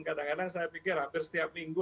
kadang kadang saya pikir hampir setiap minggu